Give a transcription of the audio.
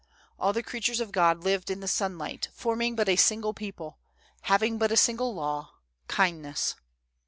All the crea tures of God lived in the sunlight, forming but a single people, having but a single law — kindness.